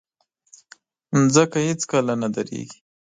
مځکه هیڅکله نه دریږي.